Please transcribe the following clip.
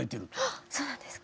ああそうなんですか？